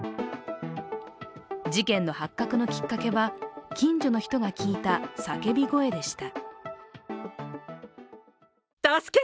事件の発覚のきっかけは、近所の人が聞いた叫び声でした。